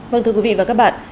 vâng thưa quý vị và các bạn